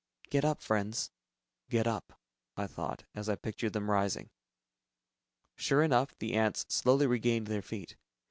"Get up, friends ... get up," I thought, as I pictured them rising. Sure enough ... the ants slowly regained their feet.